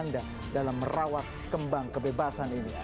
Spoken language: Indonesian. terima kasih bang wita dalam merawat kembang kebebasan ini